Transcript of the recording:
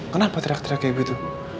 kenapa teryak tryak kayak gitu